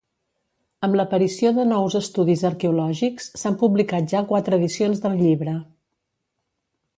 Amb l'aparició de nous estudis arqueològics, s'han publicat ja quatre edicions del llibre.